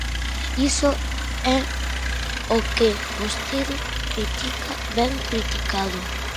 Iso é o que vostede critica, ben criticado.